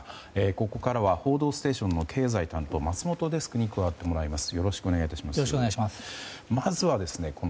ここからは「報道ステーション」の経済担当松本デスクに加わってもらいます。